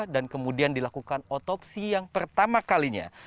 dan kemudian dilakukan otopsi yang pertama kalinya